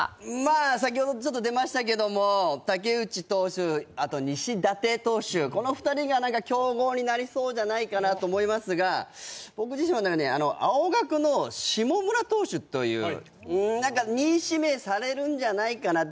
先ほどちょっと出ましたけども武内投手、西舘投手、この２人が競合になりそうだなと思いますが、僕、青学の下村投手という、２位指名されるんじゃないかなと。